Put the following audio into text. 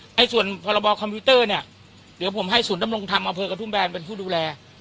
ในส่วนภารกรณะบอคคอมพิวเตอร์เนี้ยเดี๋ยวผมให้สถวงธรรมกระทั่งดุนแบลจ์คือถูกดูแล